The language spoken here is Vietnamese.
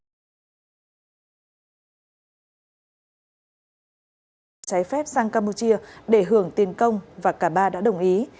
trái phép sang campuchia để hưởng tiền công và cả ba đã đồng ý